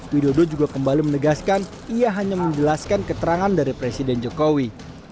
widodo juga kembali menegaskan ia hanya menjelaskan keterangan dari presiden jokowi